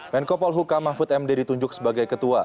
menko polhuka mahfud md ditunjuk sebagai ketua